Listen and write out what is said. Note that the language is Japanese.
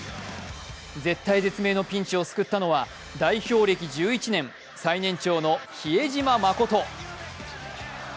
絶体絶命のピンチを救ったのは代表歴１１年、最年長の比江島慎。